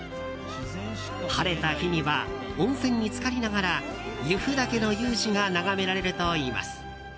晴れた日には温泉に浸かりながら由布岳の雄姿が眺められるといいます。